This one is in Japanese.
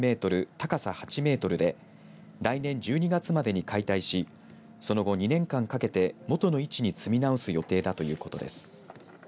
高さ８メートルで来年１２月までに解体しその後、２年間かけて元の位置に積み直す予定だということです。